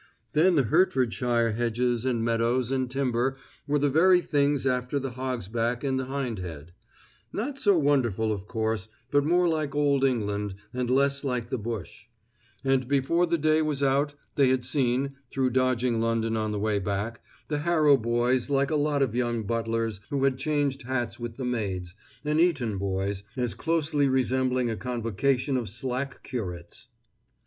Then the Hertfordshire hedges and meadows and timber were the very things after the Hog's Back and Hindhead; not so wonderful, of course, but more like old England and less like the bush; and before the day was out they had seen, through dodging London on the way back, the Harrow boys like a lot of young butlers who had changed hats with the maids, and Eton boys as closely resembling a convocation of slack curates.